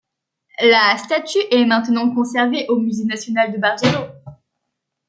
La statue est maintenant conservée au Musée national du Bargello.